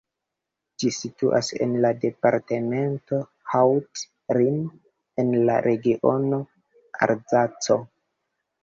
Ĝi situas en la departemento Haut-Rhin en la regiono Alzaco.